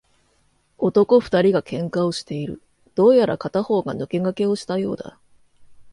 男二人が喧嘩をしている。どうやら片方が抜け駆けをしたようだ。